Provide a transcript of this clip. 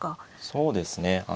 そうですね。